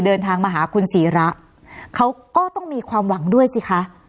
เดินทางมาหาคุณศีระเขาก็ต้องมีความหวังด้วยสิคะ